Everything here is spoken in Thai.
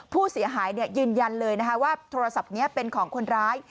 ผู้เสียหายยืนยันเลยนะคะว่าโทรศัพท์นี้เป็นของคนร้าย